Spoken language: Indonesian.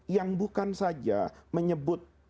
yang bukan saja menyebut